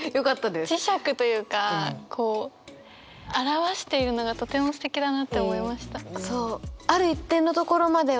磁石というかこう表しているのがとてもすてきだなって思いました。